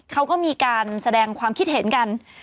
เขาก็มีการแสดงความคิดเห็นกัน